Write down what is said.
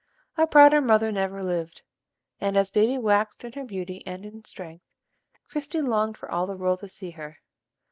A prouder mother never lived; and, as baby waxed in beauty and in strength, Christie longed for all the world to see her.